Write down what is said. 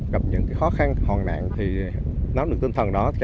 gặp những khó khăn hòn nạn thì nắm được tinh thần đó